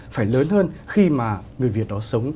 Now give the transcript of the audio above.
phải lớn hơn khi mà người việt đó sống